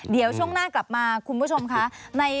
เดี๋ยวช่วงหน้ากลับมาคุณผู้ชมค่ะ